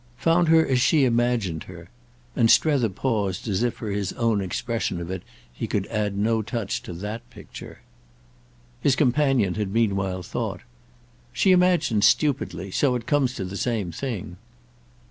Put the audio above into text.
"Found her as she imagined her." And Strether paused as if for his own expression of it he could add no touch to that picture. His companion had meanwhile thought. "She imagined stupidly—so it comes to the same thing."